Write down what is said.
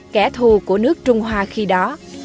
kẻ thù của nước trung hoa khi đó